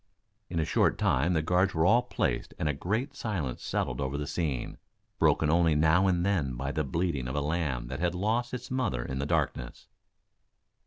In a short time the guards were all placed and a great silence settled over the scene, broken only now and then by the bleating of a lamb that had lost its mother in the darkness.